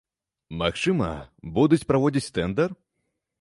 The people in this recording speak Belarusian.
Магчыма, будуць праводзіць тэндар?